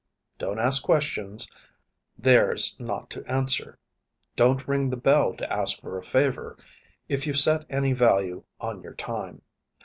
Don't ask questions; theirs not to answer; don't ring the bell to ask for a favor, if you set any value on your time.